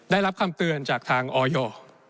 ได้รับคำเตือนจากทางออย